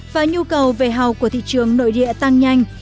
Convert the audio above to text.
và nhu cầu về hầu của thị trường nội địa tăng nhanh